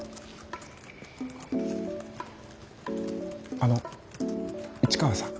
あの市川さん。